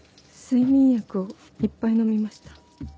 睡眠薬をいっぱい飲みました。